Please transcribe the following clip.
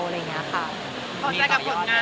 ข้อใจกับกฎงานของกุศเองค่ะ